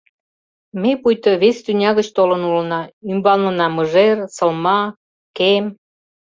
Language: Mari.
Ме пуйто вес тӱня гыч толын улына: ӱмбалнына мыжер, сылма, кем.